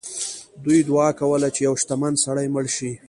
دوی دعا کوله چې یو شتمن سړی مړ شي.